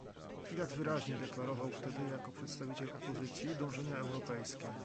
Filat wyraźnie deklarował wtedy, jako przedstawiciel opozycji, dążenia europejskie